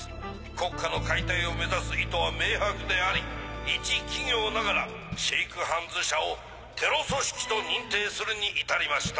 国家の解体を目指す意図は明白でありいち企業ながらシェイクハンズ社をテロ組織と認定するに至りました。